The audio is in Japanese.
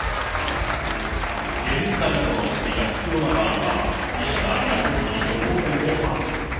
解熱剤などの薬が必要な場合は、医師が薬局に処方箋をファックス。